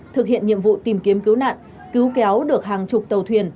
thực hiện nhiệm vụ tìm kiếm cứu nạn cứu kéo được hàng chục tàu thuyền